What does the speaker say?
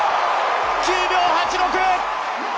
９秒８６！